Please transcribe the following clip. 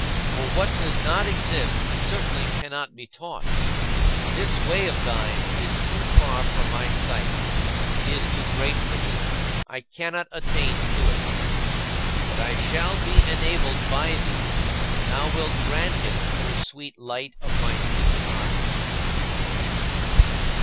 For what does not exist certainly cannot be taught. This way of thine is too far from my sight; it is too great for me, I cannot attain to it. But I shall be enabled by thee, when thou wilt grant it, O sweet Light of my secret eyes.